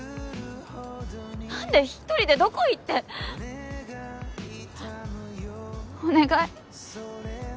何で１人でどこ行ってお願い